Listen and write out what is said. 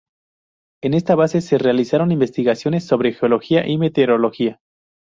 En esta base se realizaron investigaciones sobre geología y meteorología.